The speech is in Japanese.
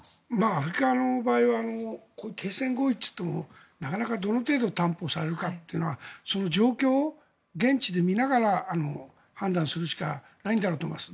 アフリカの場合は停戦合意といってもなかなかどの程度担保されるかというのは状況を現地で見ながら判断するしかないんだろうと思います。